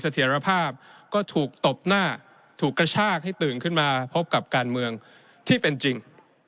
ตบหน้าถูกกระชากให้ตื่นขึ้นมาพบกับการเมืองที่เป็นจริง